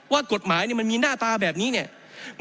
ว่ากฎหมายมันมีหน้าตาแบบนี้เนี่ย